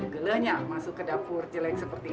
gelenya masuk ke dapur jelek seperti ini